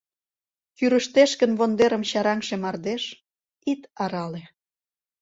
Кӱрыштеш гын вондерым чараҥше мардеж, Ит арале…